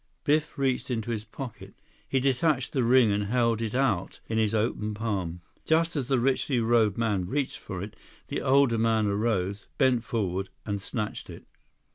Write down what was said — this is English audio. Biff reached into his pocket. He detached the ring and held it out in his open palm. Just as the richly robed man reached for it, the older man arose, bent forward, and snatched it.